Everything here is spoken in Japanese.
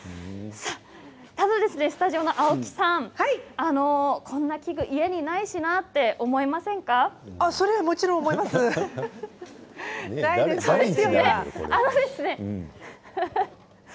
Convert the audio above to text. ただスタジオの青木さんこんな器具、家にないしなともちろん思います。